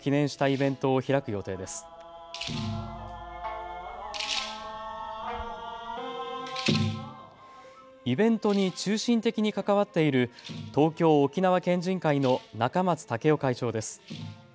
イベントに中心的に関わっている東京沖縄県人会の仲松健雄会長です。